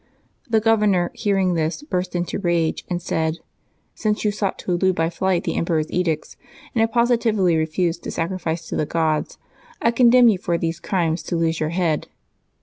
The governor, hearing this, Feksuaby 24] LIVES OF TEE SAINTS 85 burst into rage and said, " Since you sought to elude by flight the emperor's edicts, and have positively refused to sacrifice to the gods, I condemn you for these crimes to lose your head."